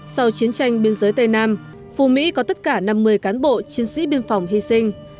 sau chiến tranh biên giới tây nam phú mỹ có tất cả năm mươi cán bộ chiến sĩ biên phòng hy sinh